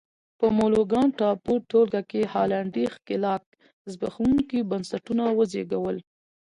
په مولوکان ټاپو ټولګه کې هالنډي ښکېلاک زبېښونکي بنسټونه وزېږول.